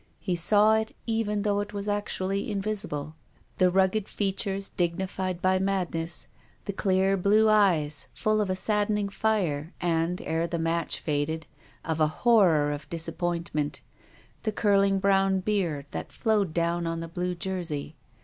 He saw it even though it was actually invisible ; the rugged features dignified by madness, the clear, blue eyes full of a saddening fire, and — ere the match faded — of a horror of disappointment, the curling brown beard that flowed down on the blue jersey.